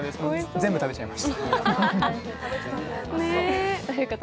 全部、食べちゃいました。